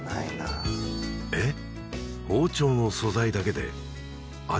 えっ？